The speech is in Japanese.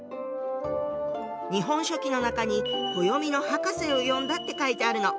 「日本書紀」の中に「暦の博士を呼んだ」って書いてあるの。